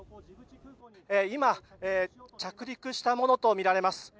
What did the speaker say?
今、着陸したものとみられます。